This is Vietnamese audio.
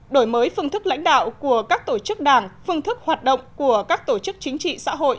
đổi mới phương thức lãnh đạo của các tổ chức đảng phương thức hoạt động của các tổ chức chính trị xã hội